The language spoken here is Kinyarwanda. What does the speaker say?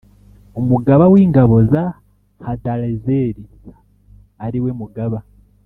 umugaba w ingabo za Hadarezeri ari we mugaba